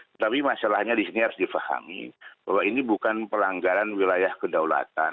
tetapi masalahnya di sini harus difahami bahwa ini bukan pelanggaran wilayah kedaulatan